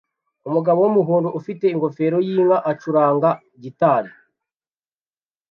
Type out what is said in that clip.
Umugabo wumuhondo ufite ingofero yinka acuranga gitari